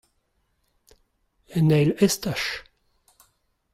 En eil estaj.